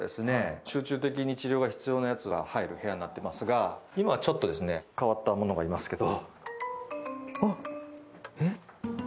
集中的に治療が必要な動物が入る部屋になっていますが今、ちょっと変わったものがいますけど。